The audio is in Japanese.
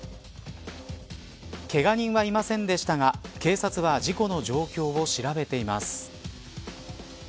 けが人はいませんでしたが警察は事故の状況を調べています。